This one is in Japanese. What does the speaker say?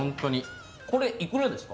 これ、いくらですか？